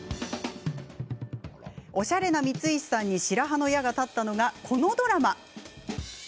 おしゃれな光石さんに白羽の矢が立ったのがこのドラマ。